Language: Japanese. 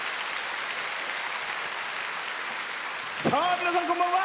皆さん、こんばんは。